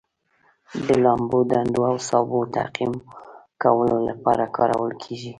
د لامبلو ډنډونو او سابو تعقیم کولو لپاره کارول کیږي.